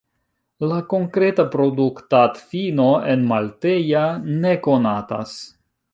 La konkreta produktadfino enmalteja ne konatas.